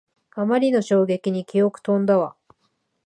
あまりの衝撃に記憶とんだわ